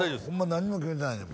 何にも決めてないのよ